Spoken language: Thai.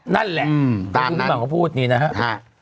นั่นแหละตามที่บางคนพูดนี้นะฮะ